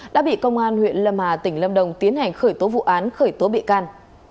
đã bị công an huyện lâm hà tỉnh lâm đồng tiến hành khởi tố vụ án khởi tố bị can